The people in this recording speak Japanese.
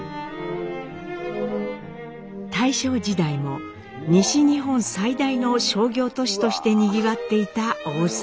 大正時代も西日本最大の商業都市としてにぎわっていた大阪。